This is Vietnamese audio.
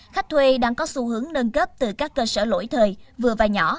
khách thuê đang có xu hướng nâng cấp từ các cơ sở lỗi thời vừa và nhỏ